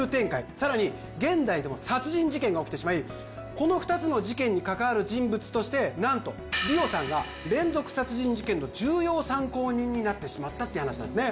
さらに現代でも殺人事件が起きてしまいこの２つの事件に関わる人物として何と梨央さんが連続殺人事件の重要参考人になってしまったっていう話なんですね